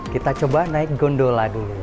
kita coba naik gondola dulu